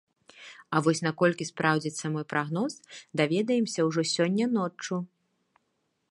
А вось наколькі спраўдзіцца мой прагноз, даведаемся ўжо сёння ноччу.